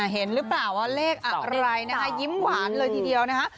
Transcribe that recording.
เห็นหรือเปล่าว่าเลขอะไรนะคะยิ้มหวานเลยทีเดียวนะคะ